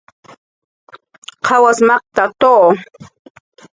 ¿Qawas makta, quntza?